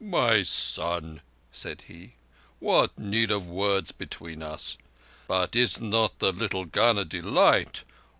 "My son, said he, "what need of words between us? But is not the little gun a delight?